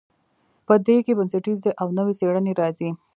په دې کې بنسټیزې او نوې څیړنې راځي.